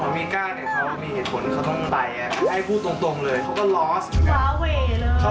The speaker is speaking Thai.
วาเว่เลยเขาก็แบบว่าโอ้โฮ